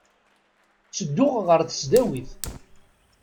Ttedduɣ ɣer tesdawit.